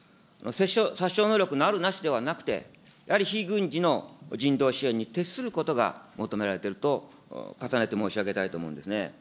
殺傷能力のあるなしではなくて、やはり非軍事の人道支援に徹することが求められていると重ねて申し上げたいと思うんですね。